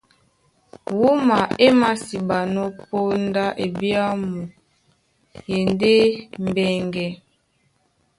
Wúma é māsiɓanɔ́ póndá ebyàmu e e ndé mbɛŋgɛ.